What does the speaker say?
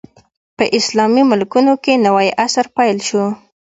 په اسلامي ملکونو کې نوی عصر پیل شو.